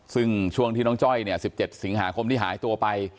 ซึ่งช่วงที่น้องจ้อย๑๗สิงหาคมที่หายตัวไป